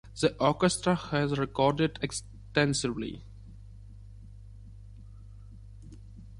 The orchestra has recorded extensively.